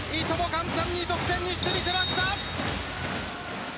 簡単に得点にしてみせました。